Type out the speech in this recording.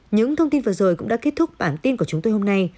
những thông tin vừa rồi cũng đã kết thúc bản tin của chúng tôi hôm nay